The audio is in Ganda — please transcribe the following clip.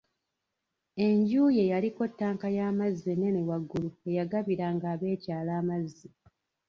Enju ye yaliko ttanka y'amazzi ennene waggulu eyagabiranga ab'ekyalo amazzi.